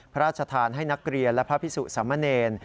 พระราชทานให้นักเรียนและพระพิสุสามเนร